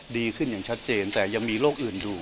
ดีขึ้นอย่างชัดเจนแต่ยังมีโรคอื่นอยู่